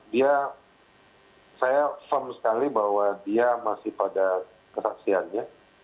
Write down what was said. dia saya firm sekali bahwa dia masih pada kesaksiannya